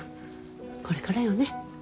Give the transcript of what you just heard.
これからよね。